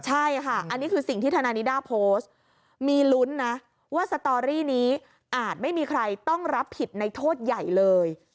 ใช่ค่ะอันนี้คือสิ่งที่ธนายนิด้าโพสต์มีลุ้นนะว่าสตอรี่นี้อาจไม่มีใครต้องรับผิดในโทษใหญ่เลย